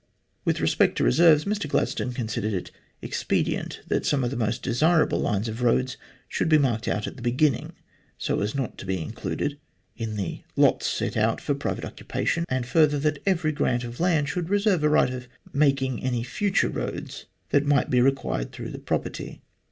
With respect to reserves, Mr Gladstone considered it expedient that some of the most desirable lines of roads should be marked out at the beginning, so as not to be included in the lots set out for private occupation, and further, that every grant of land should reserve a right of making any future roads that might be required through the property.